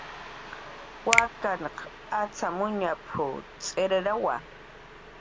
"Waknhan acxamuñp"" tz'irrawa"